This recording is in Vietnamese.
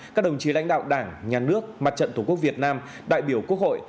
các đồng chí lãnh đạo đảng nhà nước mặt trận tổ quốc việt nam đại biểu quốc hội